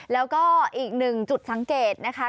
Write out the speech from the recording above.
แล้วก็อีกหนึ่งจุดสังเกตนะคะ